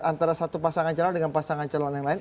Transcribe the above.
antara satu pasangan celana dengan pasangan celana yang lain